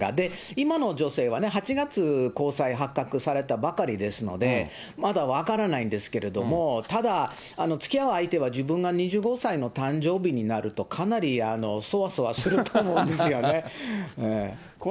今の女性はね、８月、交際発覚されたばかりですので、まだ分からないんですけれども、ただ、つきあう相手は自分が２５歳の誕生日になると、かなりそわそわすると思うんですよね。